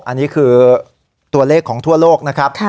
อันนี้คือตัวเลขของทั่วโลกนะครับ